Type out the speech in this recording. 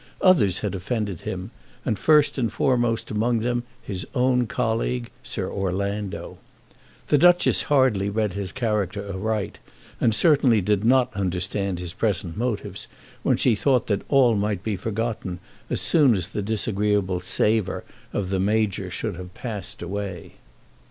Others had offended him, and first and foremost among them his own colleague, Sir Orlando. The Duchess hardly read his character aright, and certainly did not understand his present motives, when she thought that all might be forgotten as soon as the disagreeable savour of the Major should have passed away.